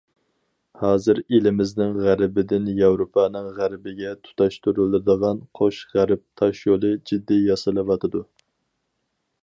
ھازىر ئېلىمىزنىڭ غەربىدىن ياۋروپانىڭ غەربىگە تۇتاشتۇرۇلىدىغان‹‹ قوش غەرب›› تاشيولى جىددىي ياسىلىۋاتىدۇ.